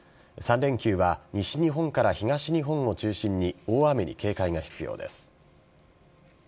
３連休は西日本から東日本を中心に大雨に警戒が必要です。